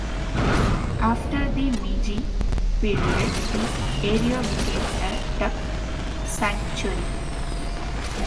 After the Meiji Period, the area became a duck sanctuary.